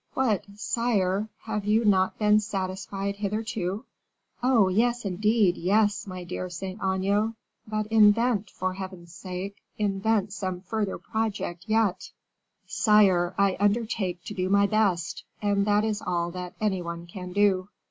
"What, sire! have you not been satisfied hitherto?" "Oh! yes, indeed, yes, my dear Saint Aignan; but invent, for Heaven's sake, invent some further project yet." "Sire, I undertake to do my best, and that is all that any one can do."